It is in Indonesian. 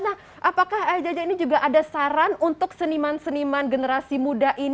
nah apakah jaja ini juga ada saran untuk seniman seniman generasi muda ini